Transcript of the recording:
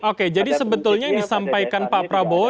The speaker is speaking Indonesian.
oke jadi sebetulnya yang disampaikan pak prabowo